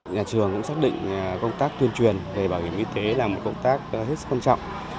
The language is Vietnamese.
nhà trường cũng xác định công tác tuyên truyền về bảo hiểm y tế là một công tác hết sức quan trọng